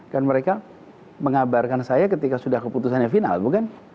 dan mereka mengabarkan saya ketika sudah keputusannya final bukan